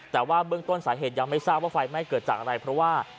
แต่ว่าเบื้องต้นสาเหตุยังไม่ทราบว่าไฟไหม้เกิดจากอะไรเพราะว่า